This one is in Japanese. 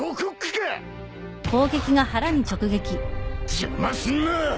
邪魔すんな！